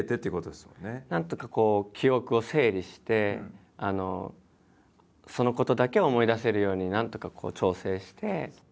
なんとかこう記憶を整理してそのことだけを思い出せるようになんとかこう調整して。